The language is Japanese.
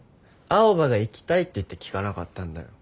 青羽が行きたいっていってきかなかったんだよ。